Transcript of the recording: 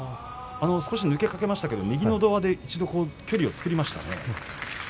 少し抜けかけましたけども右ののど輪で距離を作りかけましたね。